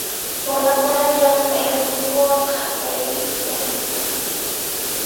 Runakuna llamk'ayninkuwan qhapaqyanku.